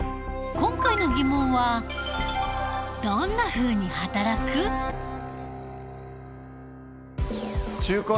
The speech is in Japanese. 今回のテーマは「どんなふうに働くか」。